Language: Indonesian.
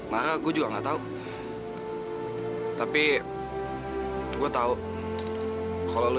marah gue juga nggak tau